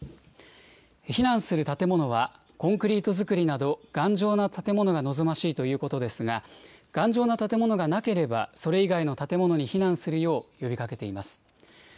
避難する建物は、コンクリート造りなど頑丈な建物が望ましいということですが、頑丈な建物がなければ、それ以外の建物に避難するよう呼びかけています。